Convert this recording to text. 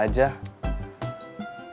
kamu masih suka tinju